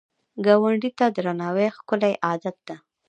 ګاونډي ته درناوی ښکلی عادت دی